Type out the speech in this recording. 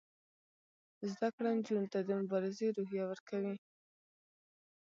زده کړه نجونو ته د مبارزې روحیه ورکوي.